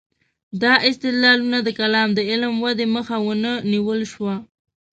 دا استدلالونه د کلام د علم ودې مخه ونه نیول شوه.